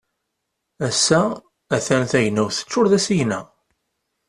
Ass-a a-t-an tagnawt teččur d asigna.